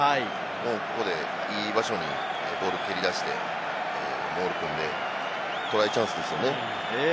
ここで、いい場所にボールを蹴り出して、モールを組んで、トライチャンスですよね。